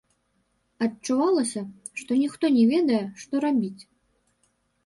Адчувалася, што ніхто не ведае, што рабіць.